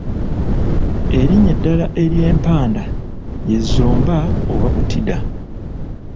Erinnya eddala ery’empanda ye Zomba oba Butida.